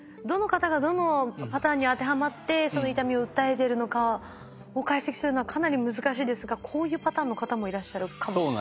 どの方がどのパターンに当てはまってその痛みを訴えてるのかを解析するのはかなり難しいですがこういうパターンの方もいらっしゃるかも。